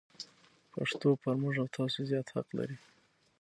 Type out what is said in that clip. پښتو پر موږ او تاسو زیات حق لري.